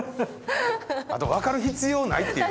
あと分かる必要ないっていう。